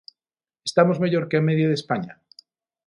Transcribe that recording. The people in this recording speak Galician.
¿Estamos mellor que a media de España?